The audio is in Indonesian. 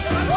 aduh eh lho